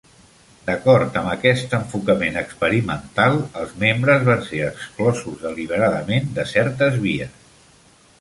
D'acord amb aquest enfocament experimental, els membres van ser exclosos deliberadament de certes vies.